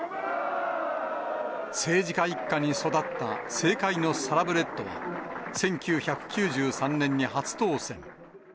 政治家一家に育った政界のサラブレッドは、１９９３年に初当選。